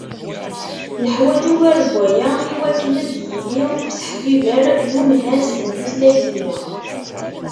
Neḥwaǧ ugar n waya iwakken ad d-yili useḥbiber d umhaz n tutlayt-nneɣ.